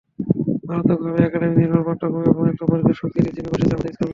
মারাত্মকভাবে একাডেমি-নির্ভর পাঠ্যক্রম এবং একটা পরীক্ষার সংস্কৃতি চেপে বসেছে আমাদের স্কুলগুলোতে।